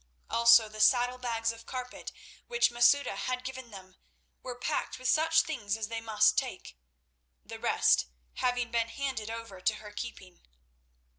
Also the saddle bags of carpet which Masouda had given them were packed with such things as they must take, the rest having been handed over to her keeping.